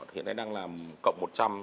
hiện nay đang là cộng một trăm linh